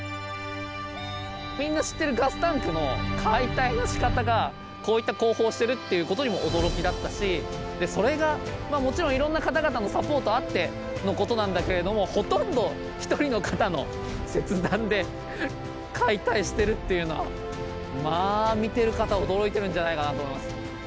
みんな知ってるガスタンクの解体のしかたがこういった工法してるっていうことにも驚きだったしそれがもちろんいろんな方々のサポートあってのことなんだけれどもほとんど１人の方の切断で解体してるっていうのはまあ見てる方驚いてるんじゃないかなと思います。